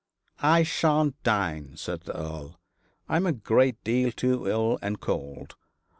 'I shan't dine,' said the Earl. 'I am a great deal too ill and cold.